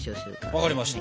分かりました。